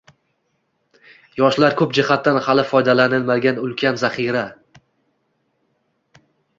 Yoshlar koʻp jihatdan hali foydalanilmagan ulkan zaxira